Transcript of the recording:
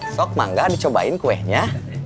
sok mangga dicobain kuehnya